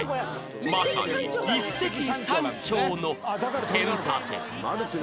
まさに一石三鳥のペン立て